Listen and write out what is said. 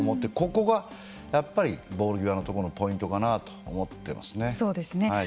ここがやっぱりボール際のところのポイントかなと思っていますね。